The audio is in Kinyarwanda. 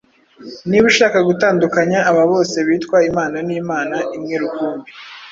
Niba ushaka gutandukanya aba bose bitwa imana n’imana imwe rukumbi